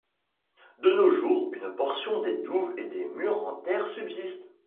De nos jours, une portion des douves et des murs en terre subsistent.